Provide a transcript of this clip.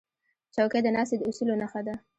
چوکۍ د ناستې د اصولو نښه ده.